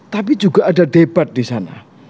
tapi juga ada debat disana